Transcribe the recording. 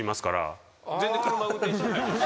全然車運転しないんです。